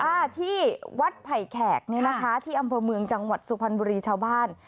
ถ้าที่วัดไผ่แขกเนี่ยนะคะที่อำเภอเมืองจังหวัดสุพรรณบุรีชาวบ้าน